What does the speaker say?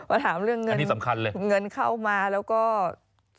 มาถามเรื่องเงินเงินเข้ามาแล้วก็อันนี้สำคัญเลย